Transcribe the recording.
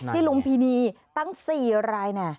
ที่ลุงพินีตั้ง๔รายเนี่ย